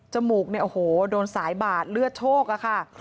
มูกเนี่ยโอ้โหโดนสายบาดเลือดโชคอะค่ะ